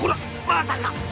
まさか！